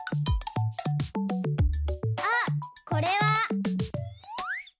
あっこれは。